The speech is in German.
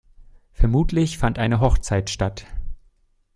Vermutlich fand eine Hochzeit statt.